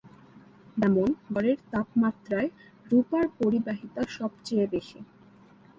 যেমন ঘরের তাপমাত্রায় রূপার পরিবাহিতা সবচেয়ে বেশি।